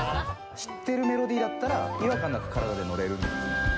知っているメロディーだったら違和感なく体でのれる。